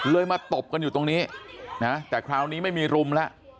มาตบกันอยู่ตรงนี้นะแต่คราวนี้ไม่มีรุมแล้ว